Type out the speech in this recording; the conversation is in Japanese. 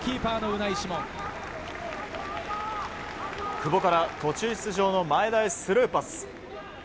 久保から途中出場の前田へスルーパス。